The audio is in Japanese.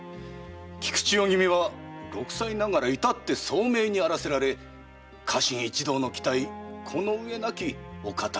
菊千代君は六歳ながらいたって聡明にあらせられ家臣一同の期待この上なきお方にございまする。